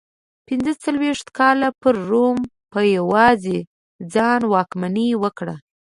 پنځه څلوېښت کاله پر روم په یوازې ځان واکمني وکړه